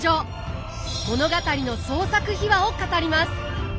物語の創作秘話を語ります。